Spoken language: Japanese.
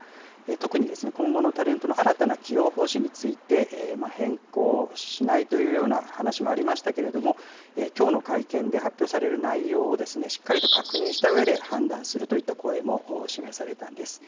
特に今後のタレントの新たな起用方針について変更しないというような話もありましたけれども、きょうの会見で発表される内容をしっかりと確認したうえで、判断するといった声も示されたんです。